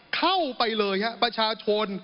เข้าไปเลยฮะประชาชน